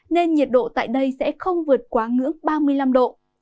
nên nhiệt độ tại đây sẽ không vượt quá ngưỡng ba mươi năm độ